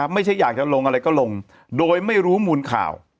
ไม่ใช่อยากจะลงอะไรก็ลงโดยไม่รู้มูลข่าว